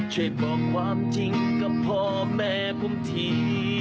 ช่วยบอกความจริงกับพ่อแม่ผมที